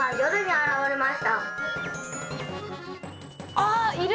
あいる！